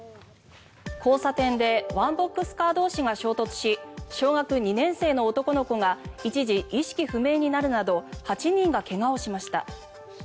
交差点でワンボックスカー同士が衝突し小学２年生の男の子が一時、意識不明になるなど８人が怪我をしました。